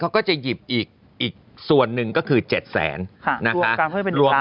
เขาก็จะหยิบอีกอีกส่วนหนึ่งก็คือเจ็ดแสนค่ะนะคะรวมกันเพื่อเป็นหนึ่งล้าน